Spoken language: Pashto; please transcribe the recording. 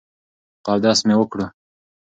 خو اودس مې وکړو ـ